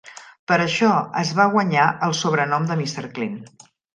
Per això es va guanyar el sobrenom de Mr. Clean.